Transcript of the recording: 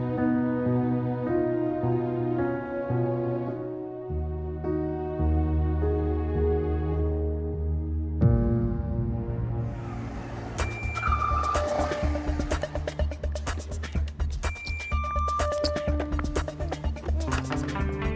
perasaan gue bener bener gak karuan